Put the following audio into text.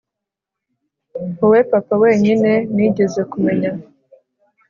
wowe papa wenyine nigeze kumenya